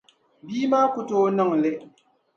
Bia maa ku tooi n niŋli.